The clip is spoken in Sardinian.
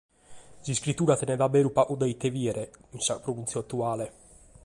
S’iscritura tenet a beru pagu de ite bìdere cun sa pronùntzia atuale.